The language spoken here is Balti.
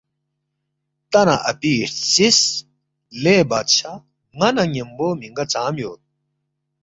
تا نہ اپی ہرژیس، ”لے بادشاہ ن٘ا نہ ن٘یمبو مِنگا ژام یود؟“